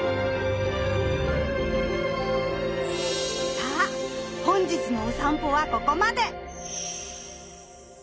さあ本日のおさんぽはここまで！